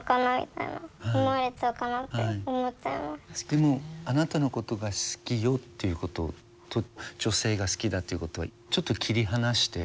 でもあなたのことが好きよっていうことと女性が好きだっていうことはちょっと切り離して。